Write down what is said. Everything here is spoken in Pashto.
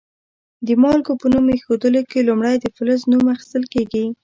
د مالګو په نوم ایښودلو کې لومړی د فلز نوم اخیستل کیږي.